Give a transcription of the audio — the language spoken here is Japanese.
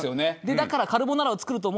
だから。